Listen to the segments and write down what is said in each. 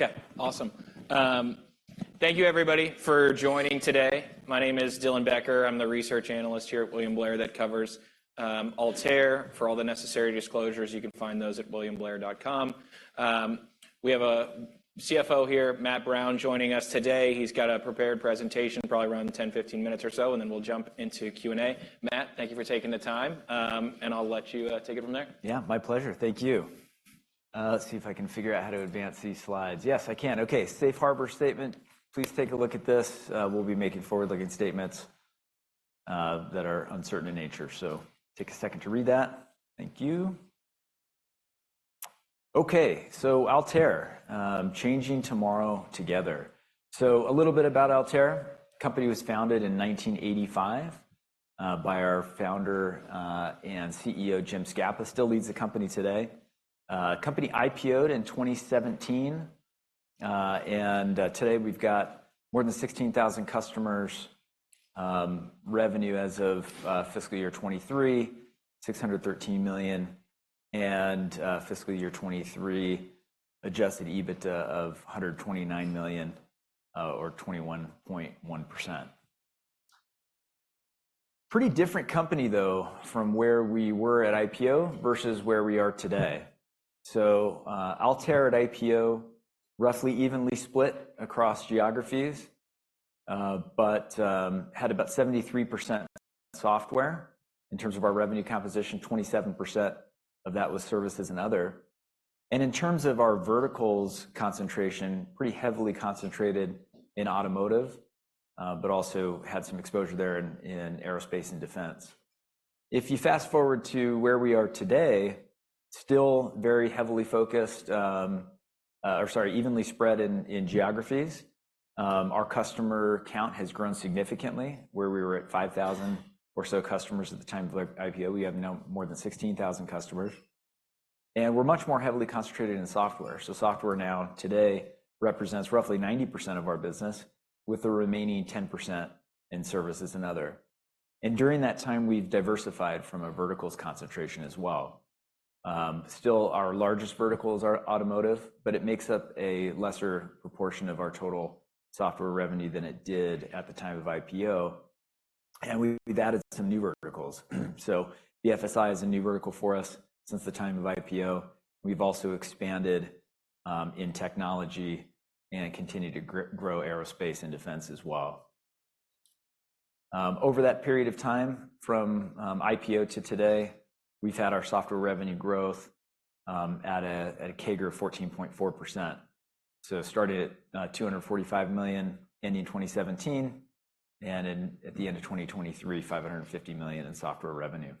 Okay, awesome. Thank you everybody for joining today. My name is Dylan Becker. I'm the research analyst here at William Blair that covers Altair. For all the necessary disclosures, you can find those at williamblair.com. We have a CFO here, Matt Brown, joining us today. He's got a prepared presentation, probably around 10-15 minutes or so, and then we'll jump into Q&A. Matt, thank you for taking the time, and I'll let you take it from there. Yeah, my pleasure. Thank you. Let's see if I can figure out how to advance these slides. Yes, I can. Okay, safe harbor statement, please take a look at this. We'll be making forward-looking statements that are uncertain in nature, so take a second to read that. Thank you. Okay, so Altair, changing tomorrow together. So a little bit about Altair. Company was founded in 1985 by our founder and CEO, Jim Scapa, still leads the company today. Company IPO'd in 2017, and today we've got more than 16,000 customers. Revenue as of fiscal year 2023, $613 million, and fiscal year 2023, adjusted EBITDA of $129 million, or 21.1%. Pretty different company, though, from where we were at IPO versus where we are today. So, Altair at IPO, roughly evenly split across geographies, but had about 73% software in terms of our revenue composition. 27% of that was services and other. And in terms of our verticals concentration, pretty heavily concentrated in automotive, but also had some exposure there in aerospace and defense. If you fast-forward to where we are today, still very heavily focused, or sorry, evenly spread in geographies. Our customer count has grown significantly, where we were at 5,000 or so customers at the time of our IPO, we have now more than 16,000 customers, and we're much more heavily concentrated in software. So software now today represents roughly 90% of our business, with the remaining 10% in services and other. And during that time, we've diversified from a verticals concentration as well. Still, our largest verticals are automotive, but it makes up a lesser proportion of our total software revenue than it did at the time of IPO, and we've added some new verticals. So BFSI is a new vertical for us since the time of IPO. We've also expanded in technology and continued to grow aerospace and defense as well. Over that period of time, from IPO to today, we've had our software revenue growth at a CAGR of 14.4%. So it started at $245 million ending in 2017, and at the end of 2023, $550 million in software revenue.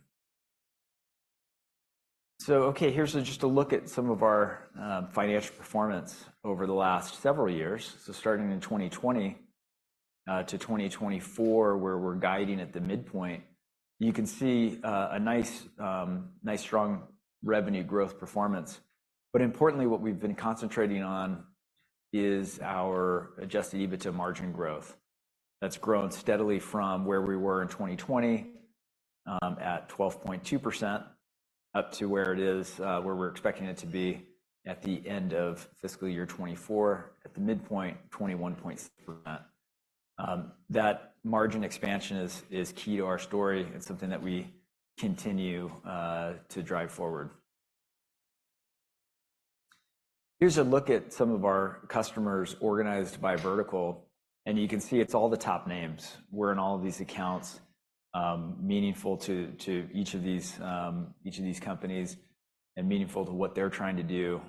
So okay, here's just a look at some of our financial performance over the last several years. So starting in 2020 to 2024, where we're guiding at the midpoint, you can see, a nice, nice, strong revenue growth performance. But importantly, what we've been concentrating on is our adjusted EBITDA margin growth. That's grown steadily from where we were in 2020, at 12.2%, up to where it is, where we're expecting it to be at the end of fiscal year 2024, at the midpoint, 21.7%. That margin expansion is, is key to our story and something that we continue, to drive forward. Here's a look at some of our customers organized by vertical, and you can see it's all the top names. We're in all of these accounts, meaningful to, to each of these, each of these companies, and meaningful to what they're trying to do.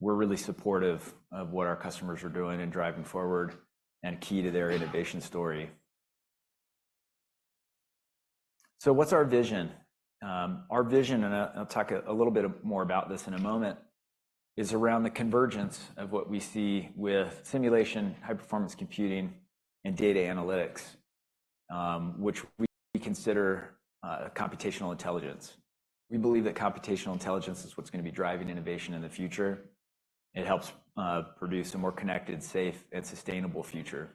We're really supportive of what our customers are doing and driving forward and key to their innovation story. So what's our vision? Our vision, and I, I'll talk a little bit more about this in a moment, is around the convergence of what we see with simulation, high-performance computing, and data analytics, which we consider computational intelligence. We believe that computational intelligence is what's gonna be driving innovation in the future. It helps produce a more connected, safe, and sustainable future.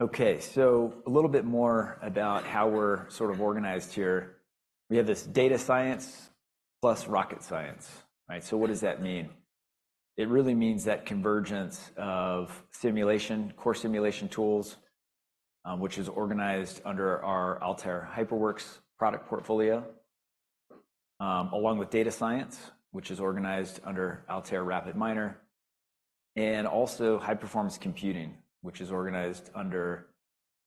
Okay, so a little bit more about how we're sort of organized here. We have this data science plus rocket science, right? So what does that mean? It really means that convergence of simulation, core simulation tools, which is organized under our Altair HyperWorks product portfolio, along with data science, which is organized under Altair RapidMiner, and also high-performance computing, which is organized under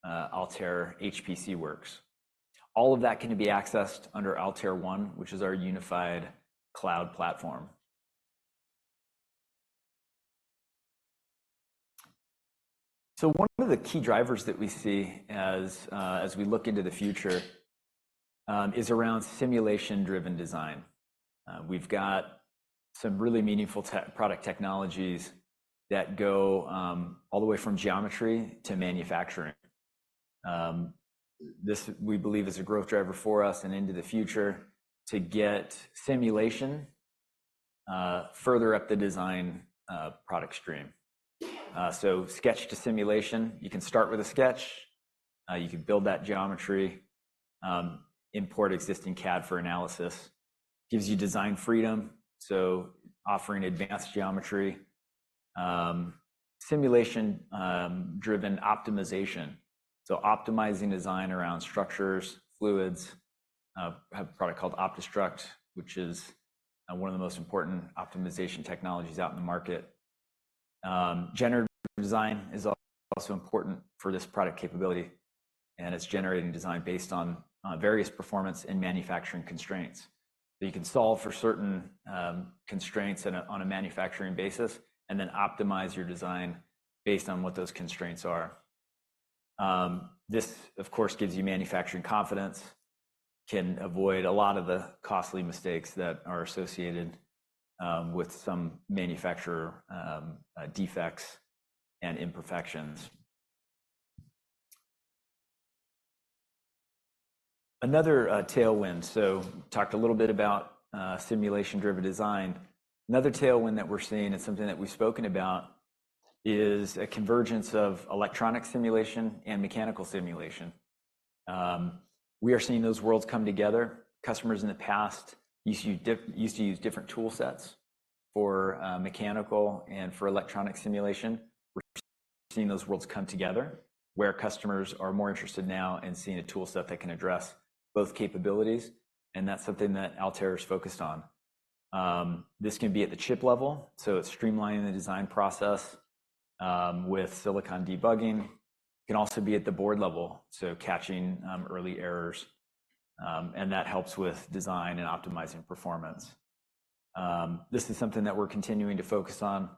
Altair HPCWorks. All of that can be accessed under Altair One, which is our unified cloud platform. So one of the key drivers that we see as we look into the future is around simulation-driven design. We've got some really meaningful tech-product technologies that go all the way from geometry to manufacturing. This, we believe, is a growth driver for us and into the future to get simulation further up the design product stream. So sketch to simulation, you can start with a sketch, you can build that geometry, import existing CAD for analysis. Gives you design freedom, so offering advanced geometry, simulation driven optimization. So optimizing design around structures, fluids. Have a product called OptiStruct, which is one of the most important optimization technologies out in the market. Generative design is also important for this product capability, and it's generating design based on various performance and manufacturing constraints. So you can solve for certain constraints on a manufacturing basis, and then optimize your design based on what those constraints are. This, of course, gives you manufacturing confidence, can avoid a lot of the costly mistakes that are associated with some manufacturer defects and imperfections. Another tailwind, so talked a little bit about simulation-driven design. Another tailwind that we're seeing, and something that we've spoken about, is a convergence of electronic simulation and mechanical simulation. We are seeing those worlds come together. Customers in the past used to use different tool sets for mechanical and for electronic simulation. We're seeing those worlds come together, where customers are more interested now in seeing a tool set that can address both capabilities, and that's something that Altair is focused on. This can be at the chip level, so it's streamlining the design process with silicon debugging. It can also be at the board level, so catching early errors, and that helps with design and optimizing performance. This is something that we're continuing to focus on.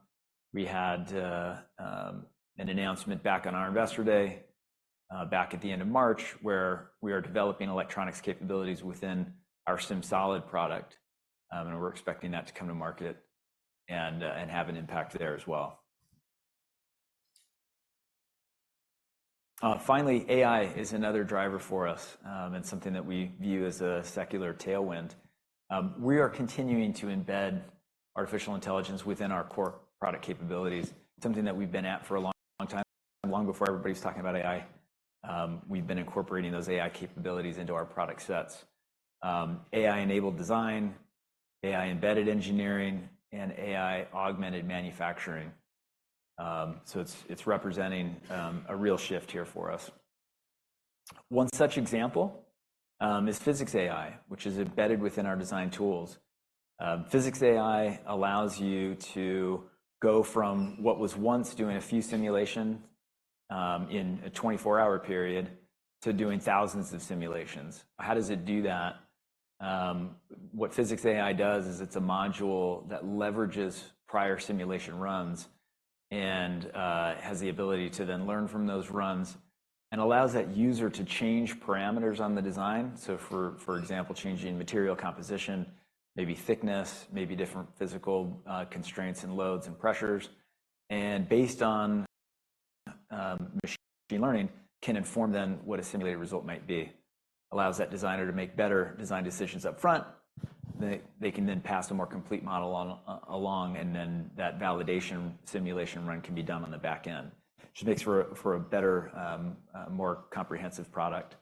We had an announcement back on our Investor Day, back at the end of March, where we are developing electronics capabilities within our SimSolid product, and we're expecting that to come to market and have an impact there as well. Finally, AI is another driver for us, and something that we view as a secular tailwind. We are continuing to embed artificial intelligence within our core product capabilities, something that we've been at for a long, long time, long before everybody was talking about AI. We've been incorporating those AI capabilities into our product sets. AI-enabled design, AI-embedded engineering, and AI-augmented manufacturing. So it's representing a real shift here for us. One such example is PhysicsAI, which is embedded within our design tools. PhysicsAI allows you to go from what was once doing a few simulation in a 24-hour period, to doing thousands of simulations. How does it do that? What PhysicsAI does is it's a module that leverages prior simulation runs and has the ability to then learn from those runs and allows that user to change parameters on the design. So for example, changing material composition, maybe thickness, maybe different physical constraints and loads and pressures, and based on machine learning, can inform then what a simulated result might be. Allows that designer to make better design decisions up front, they can then pass a more complete model on along, and then that validation simulation run can be done on the back end, which makes for a better more comprehensive product.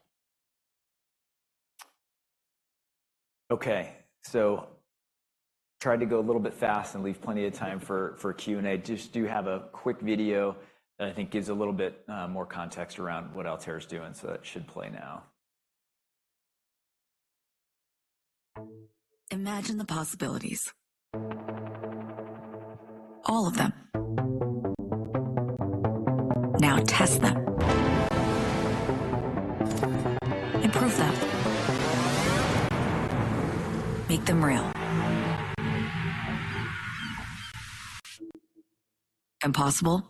Okay, so tried to go a little bit fast and leave plenty of time for Q&A. Just do have a quick video that I think gives a little bit more context around what Altair is doing, so that should play now. Imagine the possibilities, all of them. Now, test them. Improve them. Make them real. Impossible?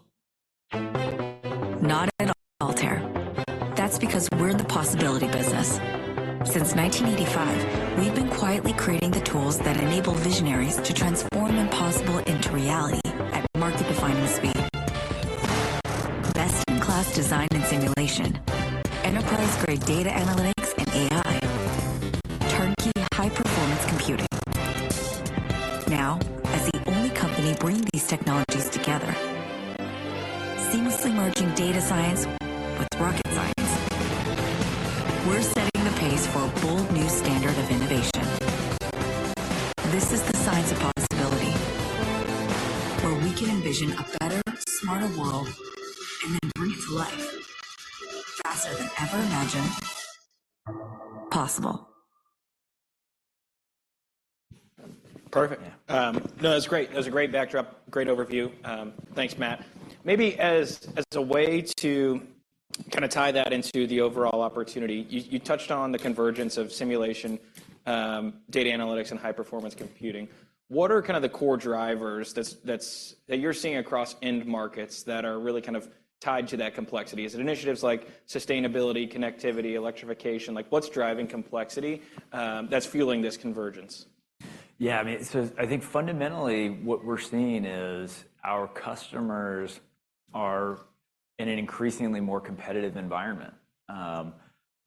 Not at all, Altair. That's because we're in the possibility business. Since 1985, we've been quietly creating the tools that enable visionaries to transform the impossible into reality at market-defining speed. Best-in-class design and simulation, enterprise-grade data analytics and AI, turnkey high-performance computing. Now, as the only company bringing these technologies together, seamlessly merging data science with rocket science, we're setting the pace for a bold new standard of innovation. This is the science of possibility, where we can envision a better, smarter world and then breathe life faster than ever imagined possible. Perfect. No, that's great. That was a great backdrop, great overview. Thanks, Matt. Maybe as a way to kinda tie that into the overall opportunity, you touched on the convergence of simulation, data analytics, and high-performance computing. What are kind of the core drivers that you're seeing across end markets that are really kind of tied to that complexity? Is it initiatives like sustainability, connectivity, electrification? Like, what's driving complexity, that's fueling this convergence? Yeah, I mean, so I think fundamentally what we're seeing is our customers are in an increasingly more competitive environment.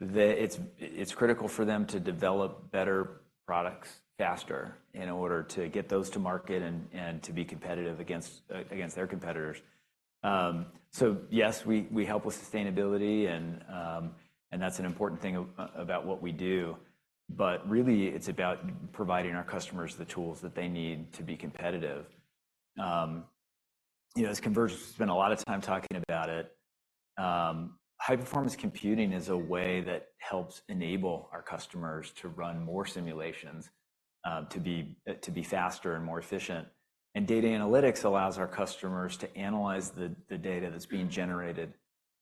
It's critical for them to develop better products faster in order to get those to market and to be competitive against their competitors. So yes, we help with sustainability, and that's an important thing about what we do, but really it's about providing our customers the tools that they need to be competitive. You know, as Convergent spent a lot of time talking about it, high-performance computing is a way that helps enable our customers to run more simulations to be faster and more efficient. And data analytics allows our customers to analyze the data that's being generated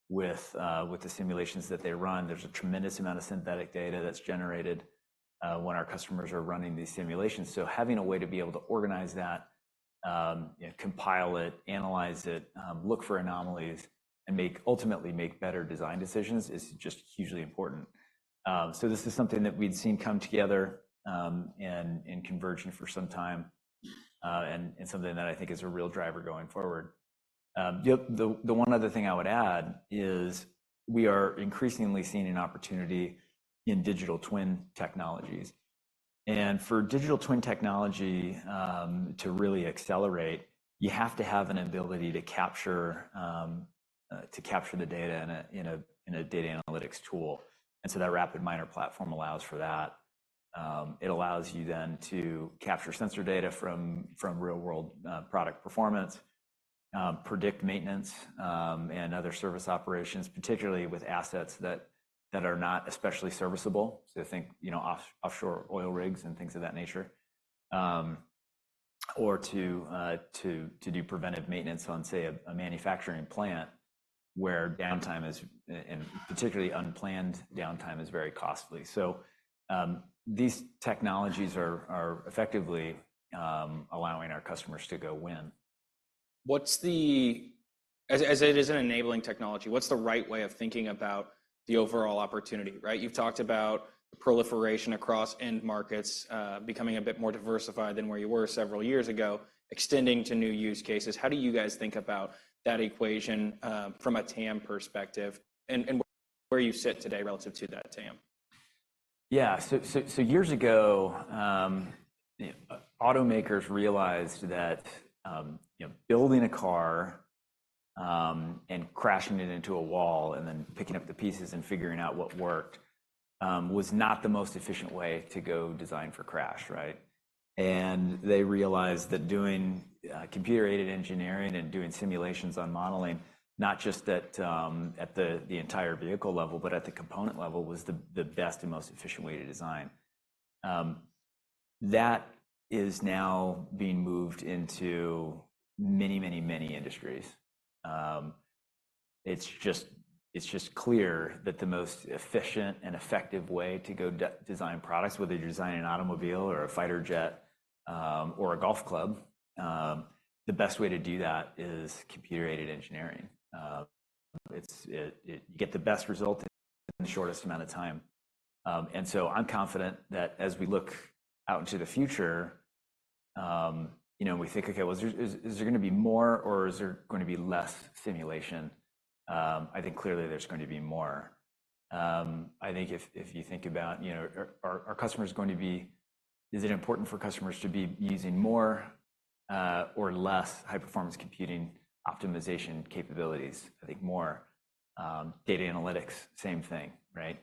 with the simulations that they run. There's a tremendous amount of synthetic data that's generated when our customers are running these simulations. So having a way to be able to organize that, you know, compile it, analyze it, look for anomalies, and ultimately make better design decisions is just hugely important. So this is something that we'd seen come together in convergence for some time, and something that I think is a real driver going forward. The one other thing I would add is we are increasingly seeing an opportunity in digital twin technologies. And for digital twin technology to really accelerate, you have to have an ability to capture to capture the data in a data analytics tool, and so that RapidMiner platform allows for that. It allows you then to capture sensor data from real-world product performance, predict maintenance, and other service operations, particularly with assets that are not especially serviceable, so think, you know, offshore oil rigs and things of that nature. Or to do preventive maintenance on, say, a manufacturing plant, where downtime is, and particularly unplanned downtime is very costly. So, these technologies are effectively allowing our customers to go win. As, as it is an enabling technology, what's the right way of thinking about the overall opportunity, right? You've talked about the proliferation across end markets, becoming a bit more diversified than where you were several years ago, extending to new use cases. How do you guys think about that equation, from a TAM perspective and where you sit today relative to that TAM? Yeah. So years ago, automakers realized that, you know, building a car and crashing it into a wall and then picking up the pieces and figuring out what worked was not the most efficient way to go design for crash, right? And they realized that doing computer-aided engineering and doing simulations on modeling, not just at the entire vehicle level, but at the component level, was the best and most efficient way to design. That is now being moved into many, many, many industries. It's just clear that the most efficient and effective way to go design products, whether you're designing an automobile or a fighter jet or a golf club, the best way to do that is computer-aided engineering. It's it it. You get the best result in the shortest amount of time. And so I'm confident that as we look out into the future, you know, we think, "Okay, well, is there gonna be more or is there gonna be less simulation?" I think clearly there's going to be more. I think if you think about, you know, are our customers going to be, is it important for customers to be using more, or less high-performance computing optimization capabilities? I think more. Data analytics, same thing, right?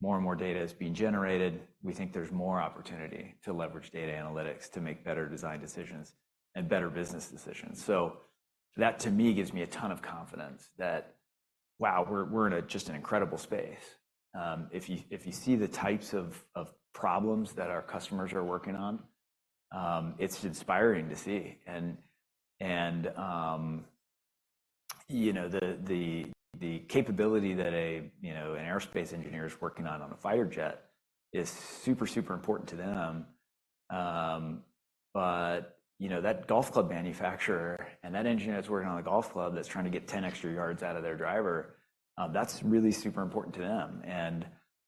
More and more data is being generated. We think there's more opportunity to leverage data analytics to make better design decisions and better business decisions. So that, to me, gives me a ton of confidence that, wow, we're in just an incredible space. If you see the types of problems that our customers are working on, it's inspiring to see. And you know, the capability that you know, an aerospace engineer is working on a fighter jet is super, super important to them. But you know, that golf club manufacturer and that engineer that's working on a golf club that's trying to get 10 extra yards out of their driver, that's really super important to them,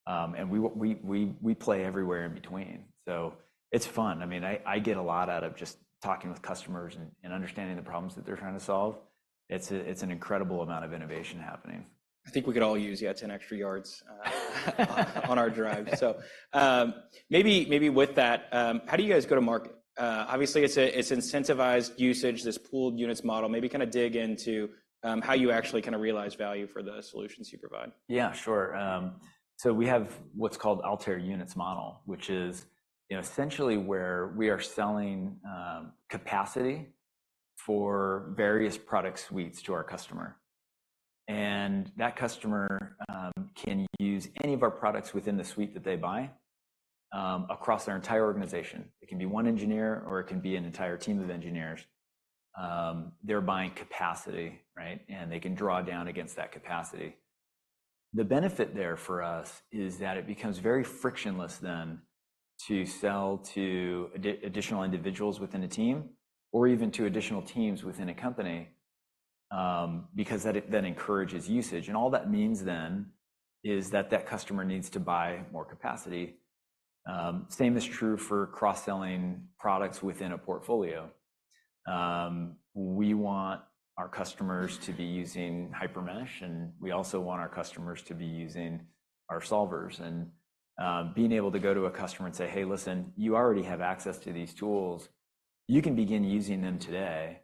and we play everywhere in between, so it's fun. I mean, I get a lot out of just talking with customers and understanding the problems that they're trying to solve. It's an incredible amount of innovation happening. I think we could all use, yeah, 10 extra yards on our drive. So, maybe, maybe with that, how do you guys go to market? Obviously it's a, it's incentivized usage, this pooled units model. Maybe kind of dig into, how you actually kind of realize value for the solutions you provide. Yeah, sure. So we have what's called Altair Units model, which is, you know, essentially where we are selling capacity for various product suites to our customer. And that customer can use any of our products within the suite that they buy across their entire organization. It can be one engineer, or it can be an entire team of engineers. They're buying capacity, right? And they can draw down against that capacity. The benefit there for us is that it becomes very frictionless then to sell to additional individuals within a team, or even to additional teams within a company, because that, that encourages usage. And all that means then is that that customer needs to buy more capacity. Same is true for cross-selling products within a portfolio. We want our customers to be using HyperMesh, and we also want our customers to be using our solvers. And, being able to go to a customer and say, "Hey, listen, you already have access to these tools. You can begin using them today.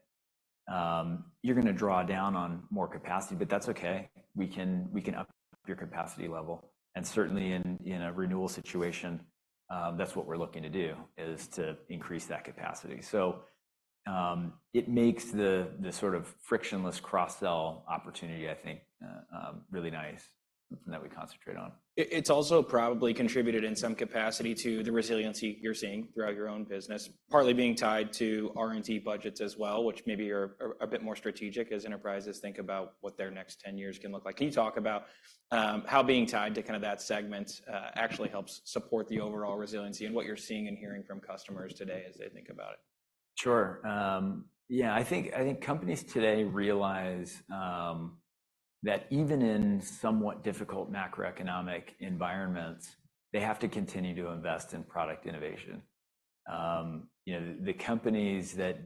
You're gonna draw down on more capacity, but that's okay. We can up your capacity level." And certainly in a renewal situation, that's what we're looking to do, is to increase that capacity. So, it makes the sort of frictionless cross-sell opportunity, I think, really nice, something that we concentrate on. It's also probably contributed in some capacity to the resiliency you're seeing throughout your own business, partly being tied to R&D budgets as well, which maybe are a bit more strategic as enterprises think about what their next 10 years can look like. Can you talk about how being tied to kind of that segment actually helps support the overall resiliency and what you're seeing and hearing from customers today as they think about it? Sure. Yeah, I think, I think companies today realize, that even in somewhat difficult macroeconomic environments, they have to continue to invest in product innovation. You know, the companies that,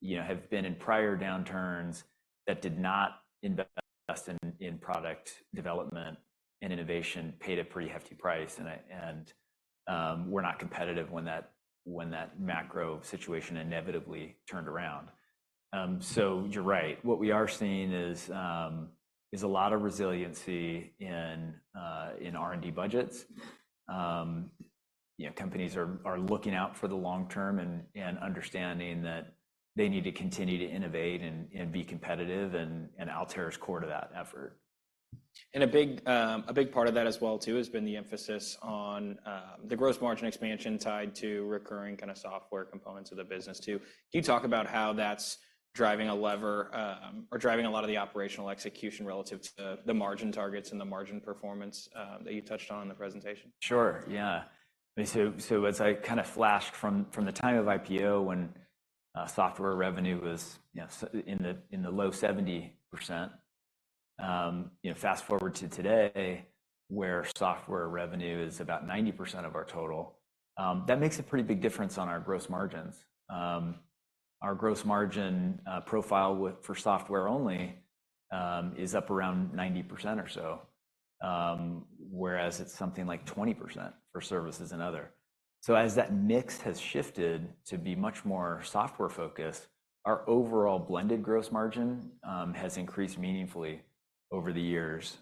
you know, have been in prior downturns that did not invest in, in product development and innovation paid a pretty hefty price, and I, and, were not competitive when that, when that macro situation inevitably turned around. So you're right. What we are seeing is, is a lot of resiliency in, in R&D budgets. You know, companies are, are looking out for the long term and, and understanding that they need to continue to innovate and, and be competitive, and, and Altair is core to that effort. A big part of that as well, too, has been the emphasis on the gross margin expansion tied to recurring kind of software components of the business, too. Can you talk about how that's driving a lever, or driving a lot of the operational execution relative to the margin targets and the margin performance, that you touched on in the presentation? Sure, yeah. So as I kind of flashed from the time of IPO when software revenue was, you know, in the low 70%, you know, fast-forward to today, where software revenue is about 90% of our total, that makes a pretty big difference on our gross margins. Our gross margin profile for software only is up around 90% or so. Whereas it's something like 20% for services and other. So as that mix has shifted to be much more software-focused, our overall blended gross margin has increased meaningfully over the years,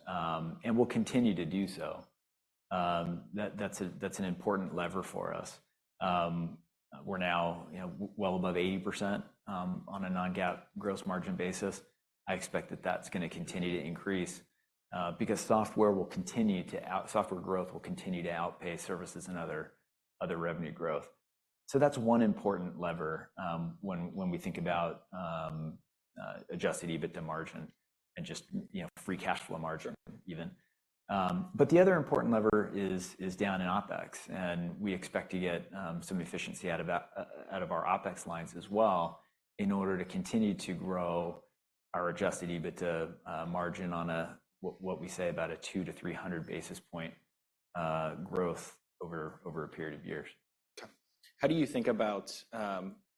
and will continue to do so. That's an important lever for us. We're now, you know, well above 80%, on a non-GAAP gross margin basis. I expect that that's gonna continue to increase, because software growth will continue to outpace services and other revenue growth. So that's one important lever, when we think about adjusted EBITDA margin and just, you know, free cash flow margin even. But the other important lever is down in OpEx, and we expect to get some efficiency out of our OpEx lines as well, in order to continue to grow our adjusted EBITDA margin on what we say about a 200-300 basis point growth over a period of years. How do you think about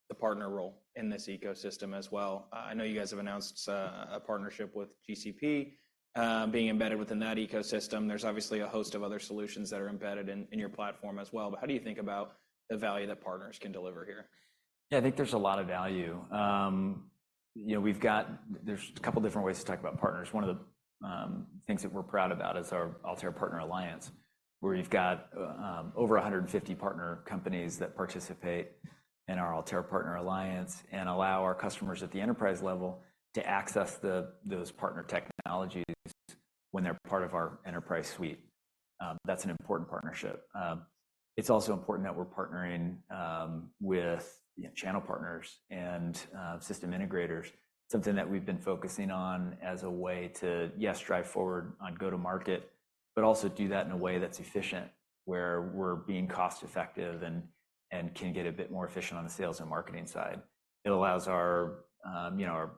the partner role in this ecosystem as well? I know you guys have announced a partnership with GCP, being embedded within that ecosystem. There's obviously a host of other solutions that are embedded in your platform as well, but how do you think about the value that partners can deliver here? Yeah, I think there's a lot of value. You know, there's a couple different ways to talk about partners. One of the things that we're proud about is our Altair Partner Alliance, where we've got over 150 partner companies that participate in our Altair Partner Alliance and allow our customers at the enterprise level to access those partner technologies when they're part of our enterprise suite. That's an important partnership. It's also important that we're partnering with, you know, channel partners and system integrators, something that we've been focusing on as a way to, yes, drive forward on go-to-market, but also do that in a way that's efficient, where we're being cost-effective and can get a bit more efficient on the sales and marketing side. It allows our, you know,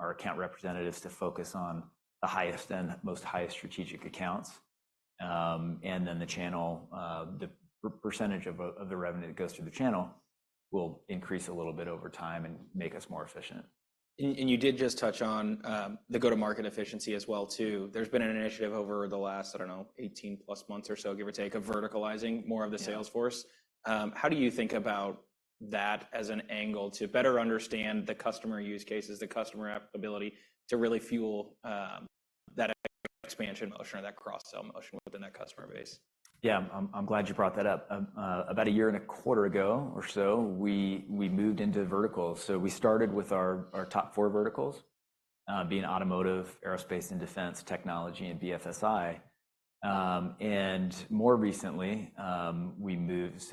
account representatives to focus on the highest and most highest strategic accounts. And then the channel, the percentage of the revenue that goes through the channel will increase a little bit over time and make us more efficient. And you did just touch on the go-to-market efficiency as well, too. There's been an initiative over the last, I don't know, 18+ months or so, give or take, of verticalizing more of the sales force. Yeah. How do you think about that as an angle to better understand the customer use cases, the customer applicability, to really fuel, that expansion motion or that cross-sell motion within that customer base? Yeah, I'm glad you brought that up. About a year and a quarter ago or so, we moved into verticals. So we started with our top four verticals, being automotive, aerospace and defense, technology, and BFSI. And more recently,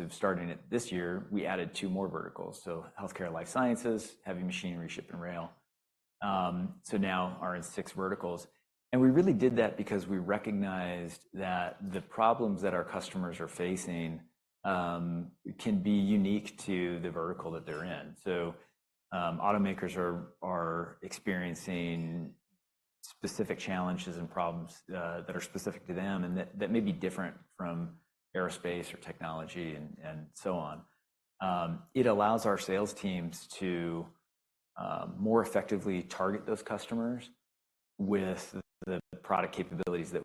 starting this year, we added two more verticals, so healthcare, life sciences, heavy machinery, ship and rail. So now we are in six verticals, and we really did that because we recognized that the problems that our customers are facing can be unique to the vertical that they're in. So, automakers are experiencing specific challenges and problems that are specific to them and that may be different from aerospace or technology and so on. It allows our sales teams to more effectively target those customers with the product capabilities that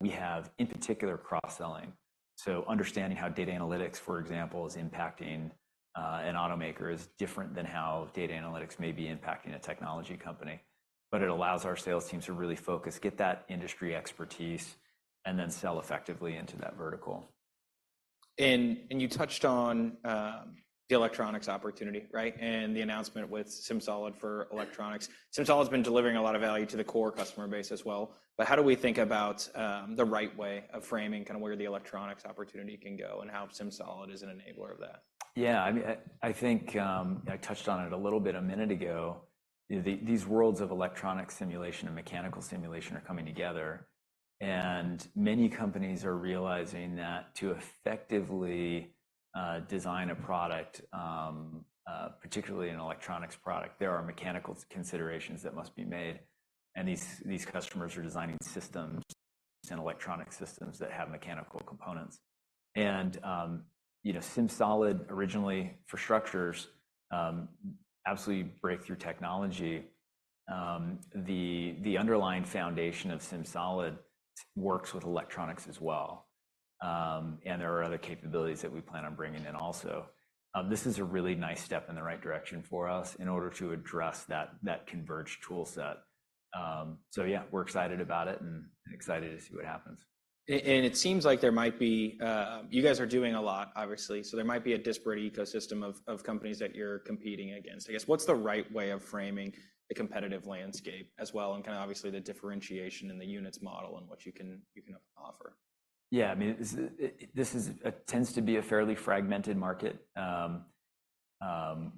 we have, in particular, cross-selling. So understanding how data analytics, for example, is impacting an automaker is different than how data analytics may be impacting a technology company. But it allows our sales team to really focus, get that industry expertise, and then sell effectively into that vertical. You touched on the electronics opportunity, right? The announcement with SimSolid for electronics. SimSolid has been delivering a lot of value to the core customer base as well, but how do we think about the right way of framing kind of where the electronics opportunity can go and how SimSolid is an enabler of that? Yeah, I mean, I think I touched on it a little bit a minute ago. These worlds of electronic simulation and mechanical simulation are coming together, and many companies are realizing that to effectively design a product, particularly an electronics product, there are mechanical considerations that must be made, and these customers are designing systems and electronic systems that have mechanical components. And, you know, SimSolid originally for structures, absolutely breakthrough technology. The underlying foundation of SimSolid works with electronics as well, and there are other capabilities that we plan on bringing in also. This is a really nice step in the right direction for us in order to address that converged tool set. So yeah, we're excited about it and excited to see what happens. And it seems like there might be... you guys are doing a lot, obviously, so there might be a disparate ecosystem of companies that you're competing against. I guess, what's the right way of framing the competitive landscape as well, and kind of obviously the differentiation in the units model and what you can offer? Yeah, I mean, this tends to be a fairly fragmented market.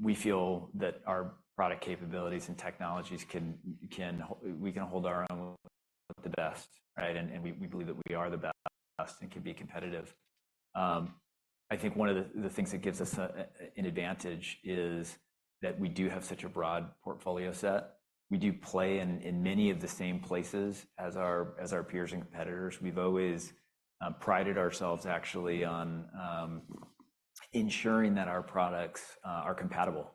We feel that our product capabilities and technologies can hold our own with the best, right? And we believe that we are the best and can be competitive. I think one of the things that gives us an advantage is that we do have such a broad portfolio set. We do play in many of the same places as our peers and competitors. We've always prided ourselves, actually, on ensuring that our products are compatible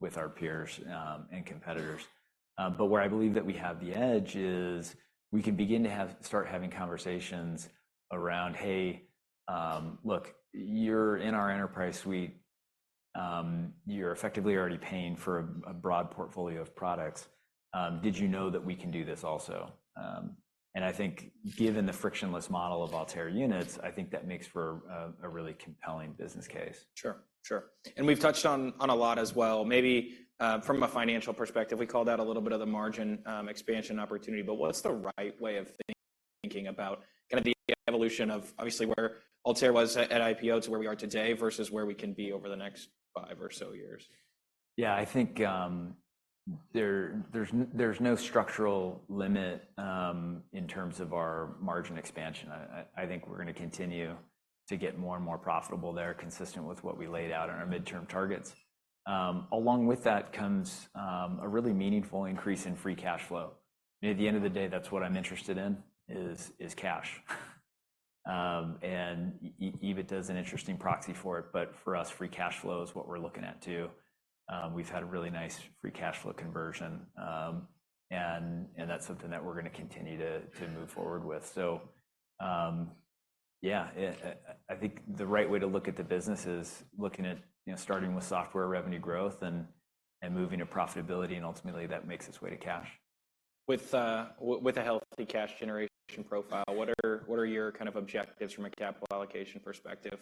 with our peers and competitors. But where I believe that we have the edge is we can begin to start having conversations around, "Hey, look, you're in our enterprise suite. You're effectively already paying for a broad portfolio of products. Did you know that we can do this also?" I think given the frictionless model of Altair Units, I think that makes for a really compelling business case. Sure. Sure. And we've touched on a lot as well. Maybe from a financial perspective, we call that a little bit of the margin expansion opportunity, but what's the right way of thinking about kind of the evolution of obviously where Altair was at IPO to where we are today, versus where we can be over the next five or so years? Yeah, I think, there, there's no structural limit in terms of our margin expansion. I think we're gonna continue to get more and more profitable there, consistent with what we laid out in our midterm targets. Along with that comes a really meaningful increase in free cash flow. At the end of the day, that's what I'm interested in, is cash. And EBITDA is an interesting proxy for it, but for us, free cash flow is what we're looking at, too. We've had a really nice free cash flow conversion, and that's something that we're gonna continue to move forward with. Yeah, I think the right way to look at the business is looking at, you know, starting with software revenue growth and, and moving to profitability, and ultimately, that makes its way to cash. With a healthy cash generation profile, what are your kind of objectives from a capital allocation perspective?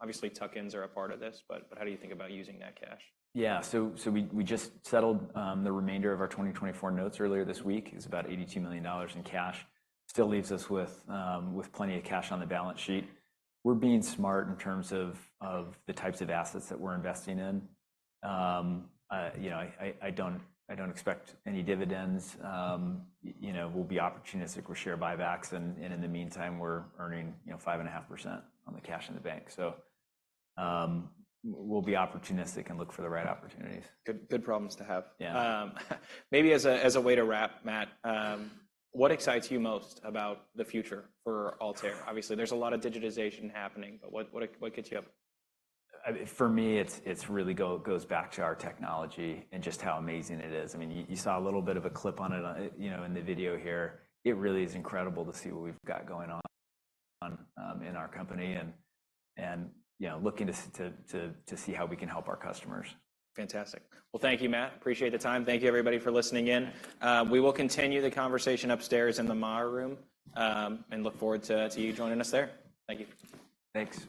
Obviously, tuck-ins are a part of this, but how do you think about using that cash? Yeah. So we just settled the remainder of our 2024 notes earlier this week. It's about $82 million in cash. Still leaves us with plenty of cash on the balance sheet. We're being smart in terms of the types of assets that we're investing in. You know, I don't expect any dividends. You know, we'll be opportunistic with share buybacks and in the meantime, we're earning 5.5% on the cash in the bank. So we'll be opportunistic and look for the right opportunities. Good, good problems to have. Yeah. Maybe as a way to wrap, Matt, what excites you most about the future for Altair? Obviously, there's a lot of digitization happening, but what gets you up? For me, it's really goes back to our technology and just how amazing it is. I mean, you saw a little bit of a clip on it, you know, in the video here. It really is incredible to see what we've got going on in our company, and you know, looking to see how we can help our customers. Fantastic. Well, thank you, Matt. Appreciate the time. Thank you, everybody, for listening in. We will continue the conversation upstairs in the Maher Room, and look forward to you joining us there. Thank you. Thanks.